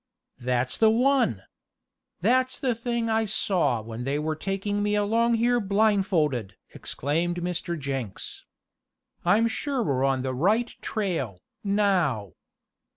"That's the one! That's the thing I saw when they were taking me along here blindfolded!" exclaimed Mr. Jenks. "I'm sure we're on the right trail, now!"